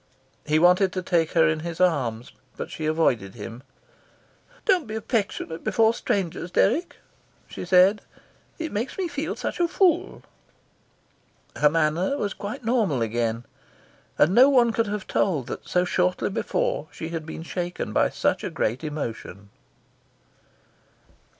He wanted to take her in his arms, but she avoided him. "Don't be affectionate before strangers, Dirk," she said. "It makes me feel such a fool." Her manner was quite normal again, and no one could have told that so shortly before she had been shaken by such a great emotion.